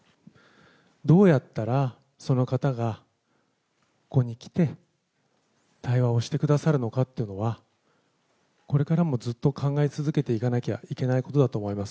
どうやったらその方がここに来て、対話をしてくださるのかというのは、これからもずっと考え続けていかなきゃいけないことだと思います。